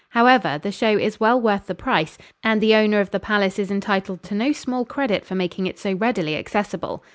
However, the show is well worth the price, and the owner of the palace is entitled to no small credit for making it so readily accessible.